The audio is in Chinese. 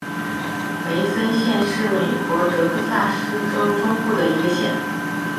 梅森县是美国德克萨斯州中部的一个县。